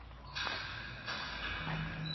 در ته دې ولاړ يمه، سوالونه مي راوړي دي